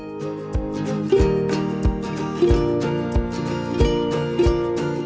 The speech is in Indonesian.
keadaan di sini terlihat sangat luas